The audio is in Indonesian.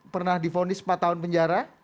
pernah difundi sempat tahun penjara